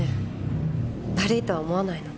悪いとは思わないの？